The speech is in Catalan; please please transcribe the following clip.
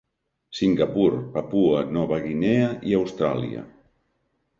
Singapur, Papua Nova Guinea i Austràlia.